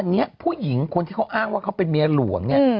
วันนี้ผู้หญิงอ้างว่าเค้าเป็นแม่หลวง